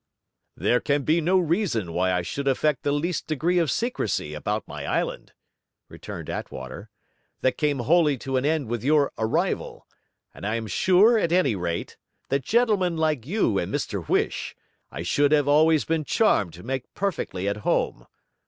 'There can be no reason why I should affect the least degree of secrecy about my island,' returned Attwater; 'that came wholly to an end with your arrival; and I am sure, at any rate, that gentlemen like you and Mr Whish, I should have always been charmed to make perfectly at home.